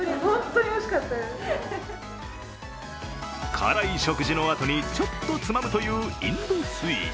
辛い食事のあとにちょっとつまむというインドスイーツ。